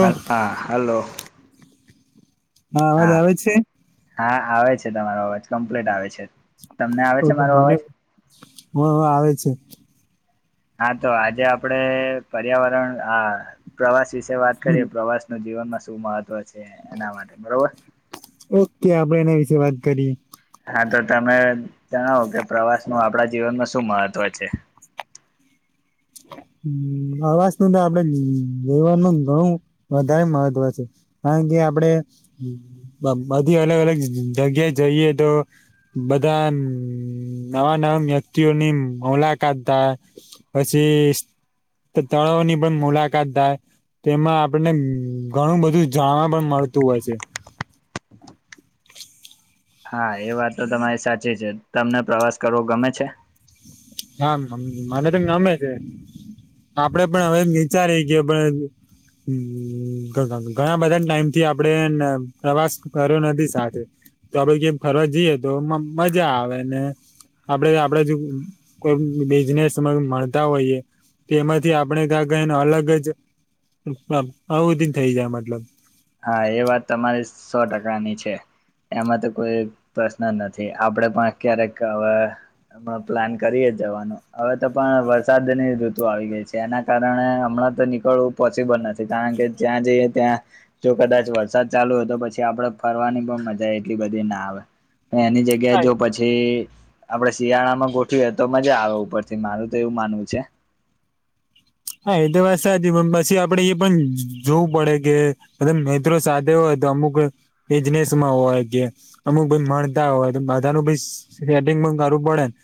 હ હા હલો. હા અવાજ આવે છે? હા આવે છે તમારો અવાજ કમ્પ્લીટ આવે છે. તમને આવે ઓ છે તો મારો મને અવાજ આવે છે. હા તો આજે આપડે પર્યાવરણ આ પ્રવાસ વિશે વાત કરીએ પ્રવાસ નું જીવનમાં શું મહત્વ છે એના માટે બરોબર. ઓકે આપડે એના વિશેે વાત કરીએ. હા તો તમે જણાવો કે પ્રવાસ નું આપણા જીવનમાં શું મહત્વ છે? હમ હવા તો આપડે જેવન ન ઘણું વધારે મહત્વ છે. કારણ કે આપણે બધી અલગ અલગ જગ્યા જઈએ તો બધા નવા નવા વ્યક્તિઓની મુલાકાત થાય. જે તળોની પણ મુલાકાત થાય. તેમાં આપણને ઘણું બધું જાણવા પણ મળતું હોય છે. હા એ વાત તો તમારી સાચી છે તમને પ્રવાસ કરવો ગમે છે? હા મને તો ગમે છે. આપડે પણ હવે વિચારી ગ પણ હ ઘણા બધા ટાઈમ થી આપણે પ્રવાસ કર્યો નથી સાથે. તો આપડે કેમ ફરવા જઈએ તો એમાં મજા આવે ને, આપડે આપડ જો કોઈ બિઝનેસ મળતા હોઈએ, તો એમાંથી આપણે ક્યા કને અલગ જ આવુંધીન થઈ જાય મતલબ. હા એ વાત તમારી સો ટકાની છે. એમાં તો કોઈ પ્રશ્ન નથી આપડે પણ ક્યારેક હવે હ પ્લાન કરીએ જવાનો હવે તો પણ વરસાદની ઋતુ આવી ગઈ છે એના કારણે હમણાં તો નીકળવું પોસિબલ નથી કારણ કે જ્યાં જઈએ ત્યાં જો કદાચ વરસાદ ચાલુ હોય તો પછી આપડે ફરવાની પણ મજા એટલી બધી ના આવે એની જગ્યા કેજો હા પછી આપડે શિયાળામાં ગોઠવી એ તો મજા આવે ઉપરથી મારું તો એવું માનવું છે. હા એ તો વાત સાચી પણ પછી આપડે એ પણ જોવું પડે કે મ મિત્રો સાથે હોય તો અમુક બિજનેસ માં હોય કે અમુક ભાઈ મળતા હોય તો બધાનું બી સેટિંગ પણ કરવું પડે ને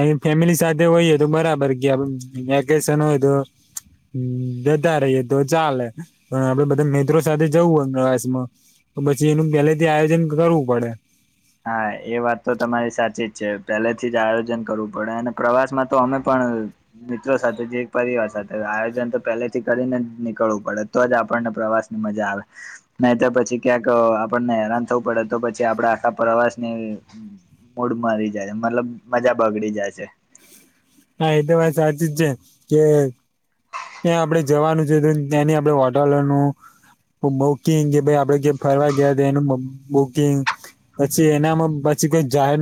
અ ફેમિલી સાથે હોયએ તો બરાબર કે વેકેશન હોય તો હમ જતા રહીએ તો ચાલે પણ આપડે બધા મિત્રો સાથે જવું હોળશમાં તો પછી એનું પહેલેથી આયોજન કરવું પડે. હા એ વાત તો તમારી સાચી જ છે પહેલેથી જ આયોજન કરવું પડે અને પ્રવાસમાં તો અમે પણ મિત્રો સાથે જે એક પરિવાર સાથે આયોજન તો પહેલેથી કરીને જ નીકળવું પડે. તો જ આપણને પ્રવાસની મજા આવે નહી તો પછી ક્યાંક આપણને હેરાન થવું પડે તો પછી આપડા પ્રવાસને મૂડ મરી જાય છે મતલબ મજા બગડી જાય છે. હા એ તો વાત સાચી જ છે કે ત્યાં આપડણે જવાનું છે તો ત્યાંની આપડે હોટલોનું બુકિંગ કે ભાઈ આપડે જે ફરવા ગયા એનું બુકિંગ પછી એનામાં પછી કોઈ જાહેર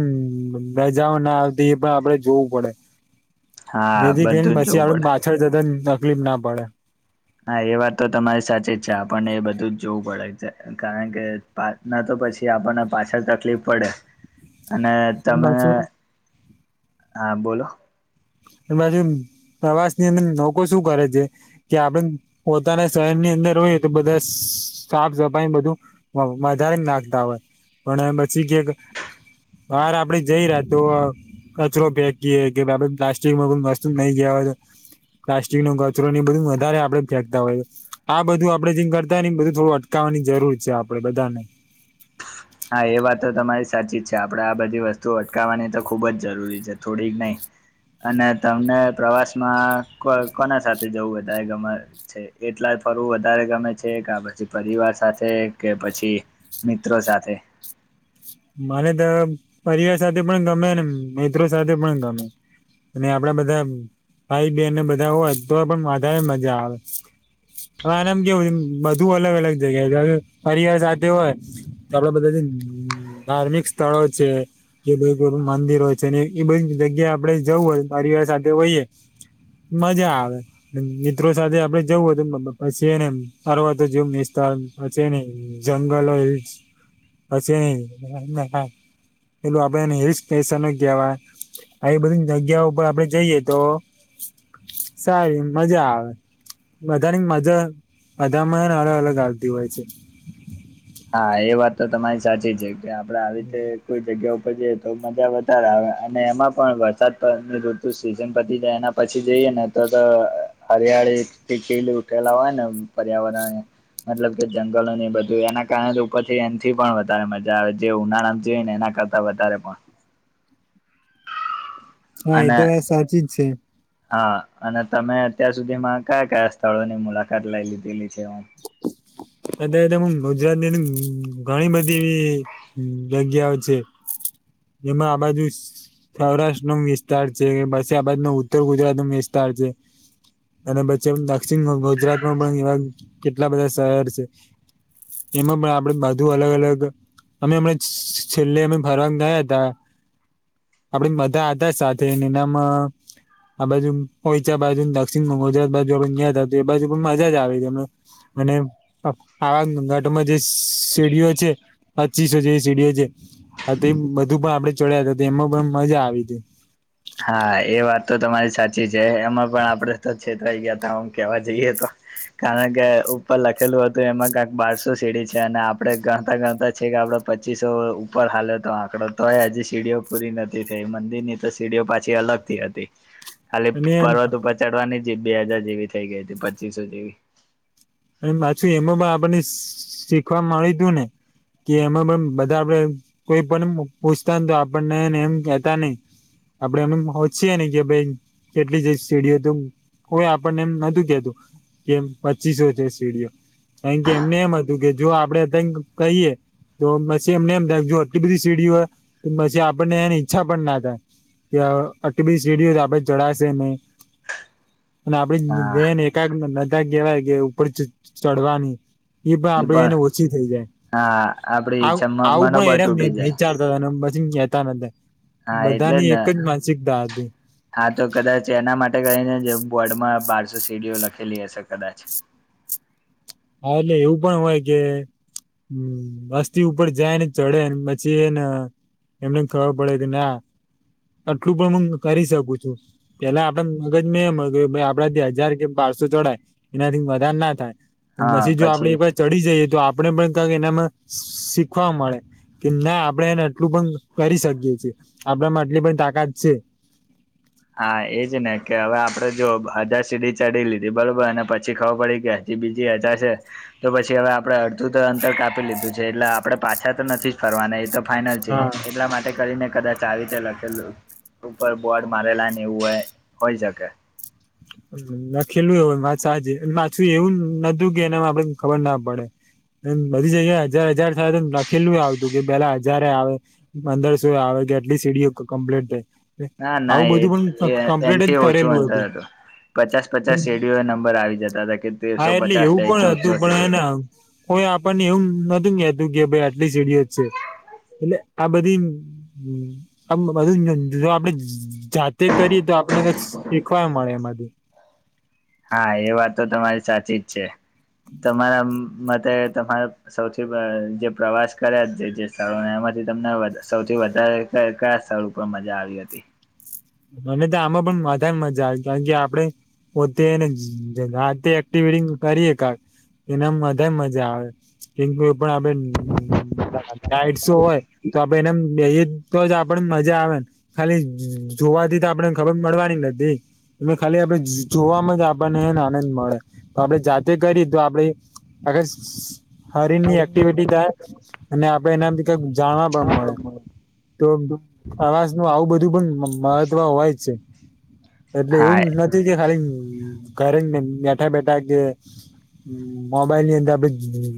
રજાઓ ના આવતી એ પણ આપડે જોવું પડે. હા જેથી કરીને બધું જ પછી જોવું આપડે પડે. પાછળ જતા તકલીફ ના પડે. હા એ વાત તો તમારી સાચી જ છે આપણને એ બધું જ જોવું પડે કારણ કે પાર્ટનર તો પછી આપણને પાછળ તકલીફ પડે. અને તમે પાછું હા બોલો. એ બાજુ પ્રવાસની અંદર લોકો શું કરે છે. કે આપણે પોતાના શહેરની અંદર હોઈએ તો બધા સાફ સફાઈ બધું વધારેને નાખતા હોય પણ પછી કે બહાર આપડે જઈ રહ્યા તો કચરો ફેંકીએ કે પ્લાસ્ટિક નહી ગયા હોય તો પ્લાસ્ટિકનો કચરોને એ બધું વધારે આપડે ફેંકતા હોય. આ બધું આપડે જેમ કરતા ને એ બધું થોડું અટકાવવાની જરૂર છે આપડે બધાને હા એ વાત તો તમારી સાચી જ છે આપણેે આ બધી વસ્તુઓ અટકાવવાની તો ખુબ જ જરૂરી છે થોડીક નઈ અને તમને પ્રવાસ માં કો કોના સાથે જવું ગમે? છે એકલા ફરવું વધારે ગમે છે કે પછી પરિવાર સાથે કે પછી મિત્રો સાથે? મને તો પરિવાર સાથે પણ ગમે ને મિત્રો સાથે પણ ગમે. અને આપડા બધા ભાઈ બેન બધા હોય તો પણ વધારે મજા આવે. હવે આનેમ કેવું બધું અલગ અલગ જગ્યા પરિવાર સાથે હોય. તો આપડે બધાથી ધાર્મિક સ્થળો છે. જે બું મંદિર હોય છે એ બધી જગ્યા આપડે જવું હોય પરિવાર સાથે હોઈએ. મજા આવે. મિત્રો સાથે આપડે જવું હતું પછી ને ફરવા તો જો [unintelligible] જંગલો હ પછી પેલું આપડે એને હિલ સ્ટેશનો કહેવાય આવી બધી જગ્યા ઉપર આપડે જઈએ તો [inaudible] સારી મજા આવે. બધાની મજા બધામાં અલગ અલગ આવતી હોય છે. હા એ વાત તો તમારી સાચી છે કે આપડે આવી રીતે કોઈ જગ્યા ઉપર જઈએ તો મજા વધારે આવે અને એમાં પણ વરસાદની ઋતુ સિઝન પતી જાય એના પછી જઈએ ને તો તો હરિયાળીથીલી ઉઠેલા હોય ને પર્યાવરણ મતલબ કે જંગલો ને બધું એના કારણે ઉપર છે એથી પણ વધારે મજા આવે જે ઉનાળા આતી હોય ને એના કરતા વધારે પણ હા એ અને તો વાત સાચી જ છે. હા અને તમે અત્યાર સુધીમાં કયા કયા સ્થળોની મુલાકાત લઈ લીધેલી છે. [inaudible] અ હ ગુજરાતની ઘણી બધી એવી હમ જગ્યાઓ છે એમાં આ બાજુ સૌરાષ્ટ્રનો વિસ્તાર છે પછી આ બાજનો ઉત્તર ગુજરાતનો વિસ્તાર છે. અને પછી દક્ષિણ ગુજરાતમાં પણ એવા કેટલા બધા શહેર છે. એમાં પણ આપડે બધું અલગ અલગ અમે એમણા છેલ્લે અમે ફરવા ગયા હતા. આપડી બધા હતા સાથે એનામાં આ બાજુ પોઇચા બાજુ દક્ષિણ ગુજરાત બાજુ ગયા હતા એ બાજુ પણ મજા જ અમને. અને પાવાગઢમાં જે શીડીઓ છે. પચીસો જેવી સીડીઓ છે બધું પણ આપડે ચડ્યા હતા એમાં પણ મજા આવી હતી. હા એ વાત તો તમારી સાચી છે એમાં પણ આપડે તો છેતરાઈ ગયા હતા આમ કેવા જઈએ તો. કારણ કે ઉપર લખેલું હતું એમાં કંક બારસો સીડી છે અને આપડે ગણતા ગણતા છે કે આપડ પચીસો ઉપર હાલે તો આંકડો તો હોય હજી સીડીઓ પૂરી નથી થઈ મંદિરની તો સીડીઓ પાછી અલગ થી હતી ખાલી અને પર્વતો ઉપર ચડવાની બે હજાર જેવી થઈ ગઈ હતી પચીસો જેવી અને પાછું એમાં પણ આપણને શીખવા મળી તું ને કે એમાં પણ બધા આપડે કોઈ પણ પૂછતાને તો આપણને એમ કેતા નહી. આપડે અમે હોછીએ ને કે ભાઈ કેટલી જઈ સેડીઓ તો કોય આપણને એમ નતું કેતું કેમ પચીસો છે સીડીઓ કારણ કે એમને એમ હતું કે જો આપડે ત કહીએ તો પછી એમને એમ જો આટલી બધી સીડી હોય તો પી આપણને એની ઈચ્છા પણ ના થાય. યા આટલી બધી સીડીઓ છે આપડે ચઢાશે નય. [inaudible] અને આપડી હા બેન એકા નતા કેવાય કે ઉપર ચડવાની એ પણ આપડી એને ઓછી થઈ જાય હા આપડી ઈચ્છા આવું પણ મનોબળ એરામ તૂટી જાય વિચાર હતા પછી કેતા નતા. હા એટલે જ બધાની ને. એક માનસિકતા હતી હા તો કદાચ એના માટે કરીને જે બોર્ડમાં બારસો સીડીઓ લખેલી હશે કદાચ. હા એટલે એવું પણ હોય કે વસ્તી ઉપર જાય ને ચઢે પછી એને એમને ખબર પડે કે ના આટલું પણ હું કરી શકું છું. પેલા આપડે મગજમાં એમ હોય આપડા જે હજાર કે બારસો ચડાય એનાથી વધારે ના થાય. પછી જો આપડે એ ચડી જઈએ તો આપડણે પણ કક એનામાં શીખવા મળે. કે ના આપડે એને આટલું પણ કરી શકીય છેએ આપડામાં આટલી પણ તાકાત છે. હા એજ ને કે હવે આપડે જો હજાર સીડી ચઢી લીધી બરોબર અને પછી ખબર પડી કે બીજી હજાર છે તો પછી હવે આપડે અડધું તો અંતર કાપી લીધું છે એટલે આપડે પાછા તો નથી ફરવાના એ તો ફાઈનલ છે હા. એટલા માટે કરીને કદાચ આવી રીતે લખેલું ઉપર બોર્ડ મારેલા ને એવું હો હોઈ શકે. લખેલુ હોય એ વાત સાચી પાછુ એવું નતું કે એનામાં આપડે ખબર ના પડે. એમ બધી જગ્યાએ હજાર-હજાર સાથે લખેલું આવતું કે પેલા હજારે આવે. પંદરશોય આવે કે આટલી સીડીઓ કમ્પ્લીટ થઇ. ના ના આવું બધું પણ એ કમ્પ્લીટ જ કરેલું હતું. પચાસ-પચાસ શેડીઓ નંબર આવી જતા હતા કે હા તેરસો એટલે પચાસ એવું થઈ પણ હતું ચૌદસો પણ થઈ હેને કોઈ આપણને એવું નતું કતું કે ભાઈ આટલી સીડીઓ જ છે એટલે. આ બધી હ આ બધું જો આપણેે જાતે કરીએ તો આપણે શીખવા મળે એમાંથી. હા એ વાત તો તમારી સાચી જ છે તમારા મતે તમારા સૌથી જે પ્રવાસ કર્યા જે સ્થળો એમાંથી તમને વધારે સૌથી વધારે ક્યા-કયા સ્થળ ઉપર મજા આવી હતી. મને તો આમાં પણ વધારે મજા આવે કારણ કે આપડે પોતે ને રાતે એક્ટિવિટી કરીએ એના બધા મજા આવે. કેમ કે એ પણ આપે નાઈટ શો હોય તો આપે એને બેએ તો જ આપણ મજા આવેને. ખાલી જોવાથી તો આપડેને ખબર મળવાની નથી. એ ખાલી આપડણે જોવાવામાં જ આપણને એ આનંદ મળે તો આપડણે જાતે કરી તો આપડે આખા શરીરની એક્ટિવિટી થાય અને આપડે એનાથી કઈક જાણવા પણ મળે તો પ્રવાસનું આવું બધું પણ મહત્વ હોય જ છે. એટલે હા એવું નથી કે ખાલી ઘરેને બેઠા-બેઠા કે મોબાઈલ ની અંદર આપડે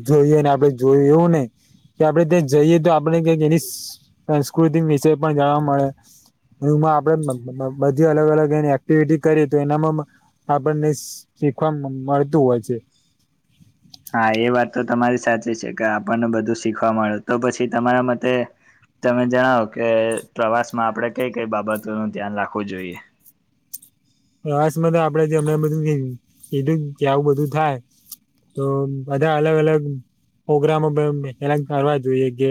જોઈએ ને આપડે જોય એવું નઈ. કે આપડણે ત્યાં જઈએ તો આપણે ક એની સંસ્કૃતિ વિશે પણ જાણવા મળે. વ્યુ માં આપડે બધી અલગ-અલગ એક્ટિવિટી કરી તો એનામાં આપણને શીખવા મળતું હોય છે. હા એ વાત તો તમારી સાચી છે કે આપણને બધું શીખવા મળે તો પછી તમારા મતે તમે જણાવો કે પ્રવાસમાં આપણે કઈ-કઈ બાબતોનું ધ્યાન રાખવું જોઈએ? પ્રવાસમાં તો આપડે જે હમણાં બધું કીધું કે આવું બધું થાય. તો બધા અલગ-અલગ પ્રગ્રામો પેલા કરવા જોઈએ કે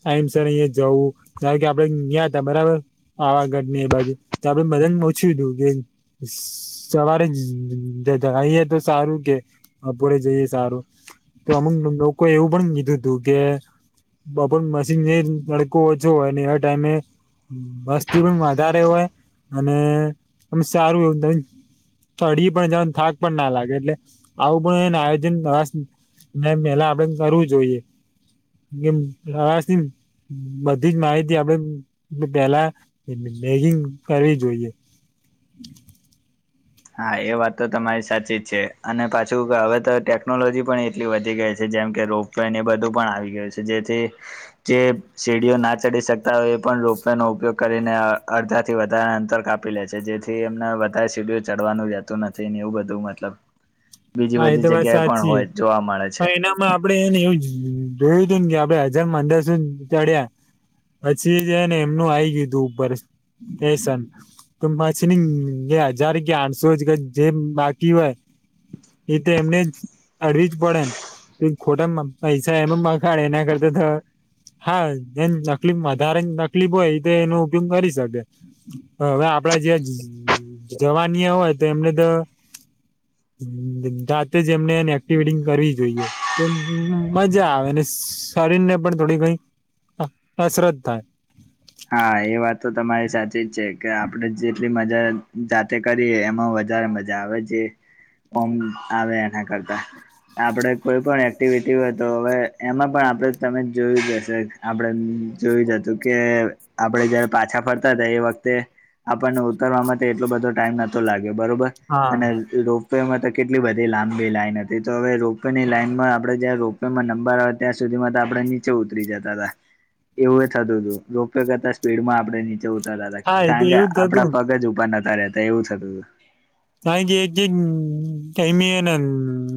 ટાઈમ સર અહિયાં જવું જ કે આપડે ગયા હતા બરાબર. પાવાગઢ઼ ને એ બાજુ તો આપડે બધા ને પૂછ્યું તુ કે સવારે જાઈએ તો સારું કે બપોરે જઈએ સારું. તો અમુક લોકો એવું પણ કીધું હતું કે બપોર પછી ન જે તડકો ઓછો હોય ને એવા ટાઈમે બસ્તી પણ વધારે હોય અને આમ સારું એવું ચડી પણ જાઓ ને થાક પણ ના લાગે એટલે આવું પણ એને આયોજન પ્રવાસ ને પેલા આપડે કરવું જોઈએ કે પ્રવાસની બધી જ માહિતી આપડે પેલા ભેગી ન કરવી જોઈએ. હા એ વાત તો તમારી સાચી જ છે અને પાછું હવે તો ટેકનોલોજી પણ એટલી વધી ગઈ છે જેમ કે રો તો એને બધું પણ આવી ગયું છે જેથી જે સીડીઓ ના ચડી શકતા હોય એ પણ રોપવેનો ઉપયોગ કરીને અડધાથી વધારે અંતર કાપ કાપી લે છે જેથી એમને વધારે સીડી ચડવાનું જતું નથી એવું બધું મતલબ બીજી હા બધી જગ્યા એ પણ હોય જોવા મળે છે. માં આપડે એને એવું જોયું હતું ને આપડે હજાર અંદર સુધ ચડ્યા. પછી જે ને એમનું આ આય ગયું તું ઉપર સ્ટેશન તો પછીની જે હજાર કે આઠસો કે જે બાકી હોય. [inaudible] એ તો એમને જ અડવી જ પડે. એ ખોટા પૈસા એમાં બગાડે એના કરતા તો હા એ તકલીફ વધારે તકલીફ હોય તો એનો ઉપયોગ કરી શકે હવે આપડા જેવા જવાનીયા હોય તો એમને તો જાતે જ એમને એને એક્ટિવિટીંગ કરવી જોઈએ. તો મજા આવેને શરીર ને પણ થોડી કઈ કસરત થાય. હા એ વાત તો તમારી સાચી જ છે કે આપડે જેટલી મજા જાતે કરી એમાં વધારે મજા આવે જે ઓમ આવે એના કરતા આપણે કોઈ પણ એક્ટિવિટી હોય તો હવે એમાં પણ આપણે તમે જોય હશે. આપણે જોયું જ હતું કે આપડે જયારે પાછા ફરતા હતા એ વખતે આપણને ઉતરવા માટે એટલો બધો ટાઈમ નતો લાગ્યો બરોબર હા અને રોપવેમાં તો કેટલી બધી લાંબી લાઈન હતી તો હવે રોપવેેની લાઈનમાં આપણે જ્યાં રોપવેમાં નંબર આવે ત્યાં સુધીમાં તો આપણે નીચે ઉતરી જતા હતા એવું થતું હતું. કરતા સ્પીડમાં આપડણે નીચે ઉતરતા હતા હા એ તો કારણ કે એવું જ આપડા થતું પગ જ ઉપર નતા રહેતા એવું થતું હતું. ના જે જે એને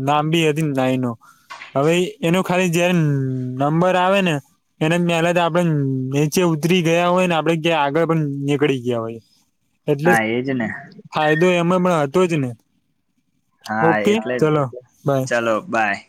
લાંબી હતી ને લાઇનો. હવે એનું ખાલી જયારે નંબર આવે ને એને પહેલા તો આપડે નીચે ઉતરી ગયા હોય ને આપડે ક્યાં આગળ પણ નીકળી ગયા હોય. [inaudible] એટલે એજ ને ફાયદો એમાં પણ હતો જ ને હા ઓકે એટલે જ ચલો બાય. ચાલો બાય